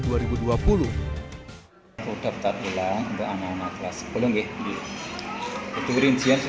di sekolah baru dikoneksi di sekolah baru